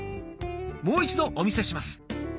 もう一度お見せします。